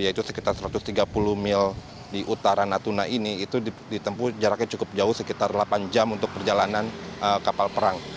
yaitu sekitar satu ratus tiga puluh mil di utara natuna ini itu ditempuh jaraknya cukup jauh sekitar delapan jam untuk perjalanan kapal perang